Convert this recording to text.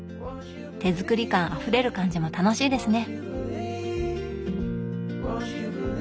手作り感あふれる感じも楽しいですね。